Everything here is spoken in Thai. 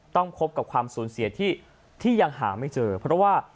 คบกับความสูญเสียที่ยังหาไม่เจอเพราะว่า